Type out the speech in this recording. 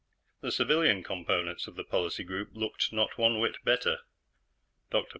The civilian components of the policy group looked not one whit better. Dr.